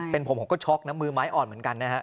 เป็นผมผมก็ช็อกนะมือไม้อ่อนเหมือนกันนะฮะ